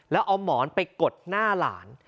แล้วเอาหมอนไปกดหน้าหลาน